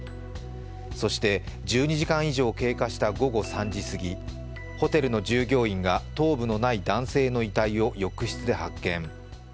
そして１２時間以上経過した午後３時過ぎ、ホテルの従業員が頭部のない男性の遺体を浴室で発見。